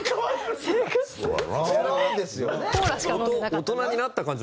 大人になった感じ